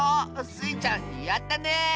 スイちゃんやったね！